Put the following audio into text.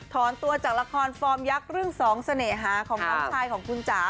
ถอนตัวจากละครฟอร์มยักษ์เรื่องสองเสน่หาของน้องชายของคุณจ๋า